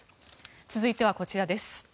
続いてはこちらです。